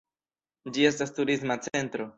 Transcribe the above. Ĝi estas turisma centro.